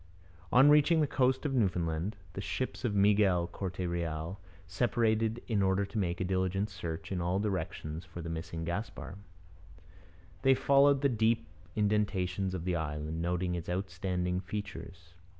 On reaching the coast of Newfoundland, the ships of Miguel Corte Real separated in order to make a diligent search in all directions for the missing Gaspar. They followed the deep indentations of the island, noting its outstanding features.